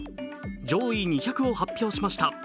上位２００を発表しました。